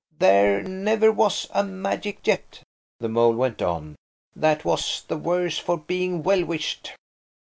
There never was a magic yet," the mole went on, "that was the worse for being well wished."